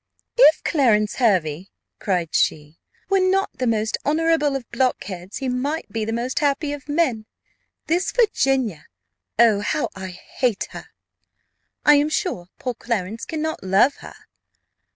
"If Clarence Hervey," cried she, "were not the most honourable of blockheads, he might be the most happy of men. This Virginia! oh, how I hate her! I am sure poor Clarence cannot love her."